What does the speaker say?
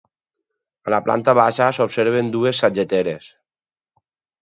A la planta baixa s'observen dues sageteres.